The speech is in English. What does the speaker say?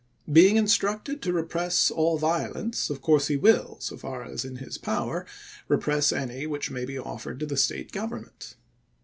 Being instructed to repress all vio lence, of course he will, so far as in his power, repress any which may be offered to the State government.